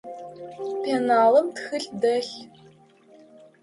Пеналым тхылъ дэлъ.